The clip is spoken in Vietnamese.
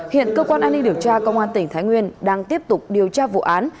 hiện cơ quan an ninh điều tra công an tỉnh thái nguyên đang tiếp tục điều tra vụ án